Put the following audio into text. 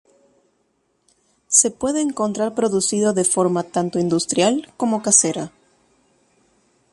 Se puede encontrar producido de forma tanto industrial como casera.